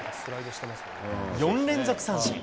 ４連続三振。